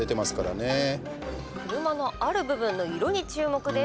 車のある部分の色に注目です。